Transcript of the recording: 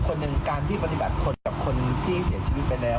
คนหนึ่งการที่ปฏิบัติคนกับคนที่เสียชีวิตไปแล้ว